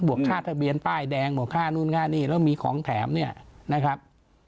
วกค่าทะเบียนป้ายแดงบวกค่านู่นค่านี่แล้วมีของแถมเนี่ยนะครับ